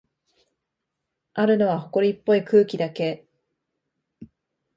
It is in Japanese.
あるのは、ほこりっぽい空気だけ。